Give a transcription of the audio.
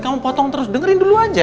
kamu potong terus dengerin dulu aja